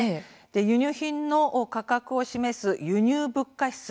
輸入品の価格を示す輸入物価指数